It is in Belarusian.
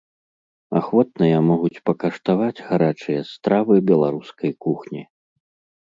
Ахвотныя могуць пакаштаваць гарачыя стравы беларускай кухні.